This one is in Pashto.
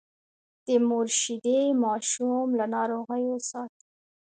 د مور شیدې ماشوم له ناروغیو ساتي۔